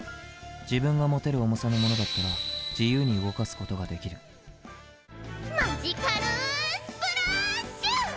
自分が持てる重さのものだったら自由に動かすことができるマジカルスプラーッシュ！